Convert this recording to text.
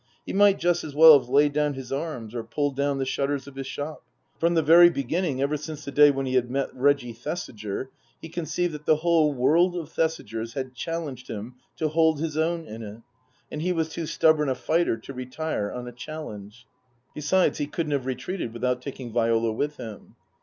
He might just as well have laid down his arms or pulled down the shutters of his shop. From the very beginning, ever since the day when he had met Reggie Thesiger, he conceived that the whole world of Thesigers had challenged him to hold his own in it, and he was too stubborn a fighter to retire on a challenge. Besides, he couldn't have retreated without taking Viola with him.